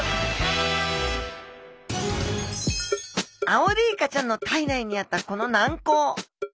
アオリイカちゃんの体内にあったこの軟甲。